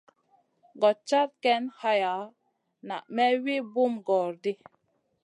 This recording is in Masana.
Gòd cad ken haya na may wi bum gòoro ɗi.